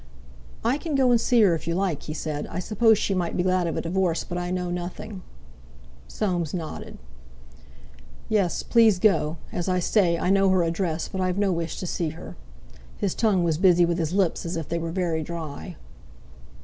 "I can go and see her, if you like," he said. "I suppose she might be glad of a divorce, but I know nothing." Soames nodded. "Yes, please go. As I say, I know her address; but I've no wish to see her." His tongue was busy with his lips, as if they were very dry.